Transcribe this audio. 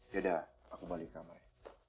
dada aku balik sama ya